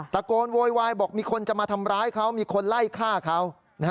โวยวายบอกมีคนจะมาทำร้ายเขามีคนไล่ฆ่าเขา